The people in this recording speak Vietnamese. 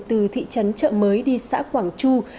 từ thị trấn chợ mới đi xã quảng chu